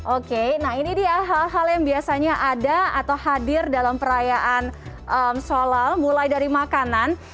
oke nah ini dia hal hal yang biasanya ada atau hadir dalam perayaan sholal mulai dari makanan